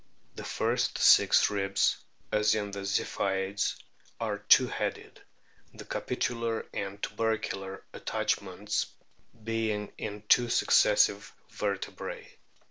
The first six ribs, as in the Ziphioids, are two headed, the capitular and tubercular attachments being in two successive vertebrae.